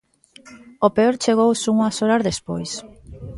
O peor chegou só unhas horas despois.